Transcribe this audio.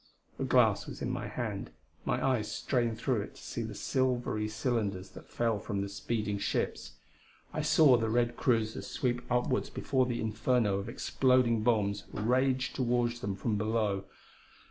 A glass was in my hand; my eyes strained through it to see the silvery cylinders that fell from the speeding ships. I saw the red cruisers sweep upward before the inferno of exploding bombs raged toward them from below.